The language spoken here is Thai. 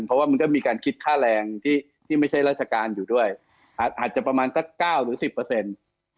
เพราะว่ามันก็มีการคิดค่าแรงที่ที่ไม่ใช่ราชการอยู่ด้วยอาจจะประมาณสักเก้าหรือสิบเปอร์เซ็นต์